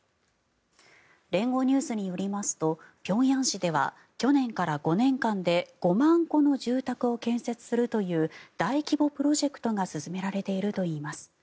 連合ニュースによりますと平壌市では去年から５年間で５万戸の住宅を建設するという大規模プロジェクトが進められているといいます。